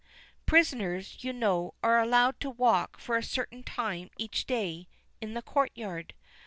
Prisoners, you know, are allowed to walk for a certain time each day in the courtyard.